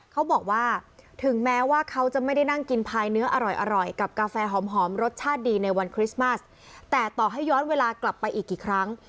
เขาบอกว่าถึงแม้ว่าเขาจะไม่ได้นั่งกินพายเนื้ออร่อยกับกาแฟหอมรสชาติดีในวันคริสต์มัสแต่ต่อให้ย้อนเวลากลับไปอีกกี่ครั้ง